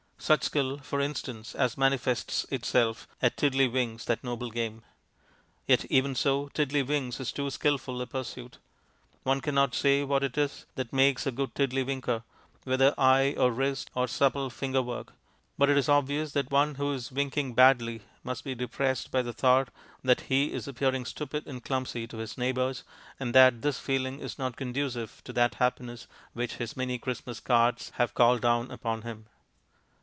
Such skill, for instance, as manifests itself at Tiddleywinks, that noble game. Yet, even so, Tiddleywinks is too skilful a pursuit. One cannot say what it is that makes a good Tiddleywinker, whether eye or wrist or supple finger work, but it is obvious that one who is "winking" badly must be depressed by the thought that he is appearing stupid and clumsy to his neighbours, and that this feeling is not conducive to that happiness which his many Christmas cards have called down upon him.